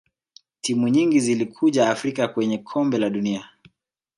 timu nyingi zilikuja afrika kwenye kombe la dunia